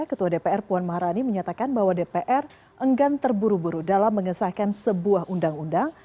ketua dpr puan maharani menyatakan bahwa dpr enggan terburu buru dalam mengesahkan sebuah undang undang